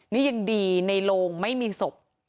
นี่ยังดีในโรงไม่มีศพ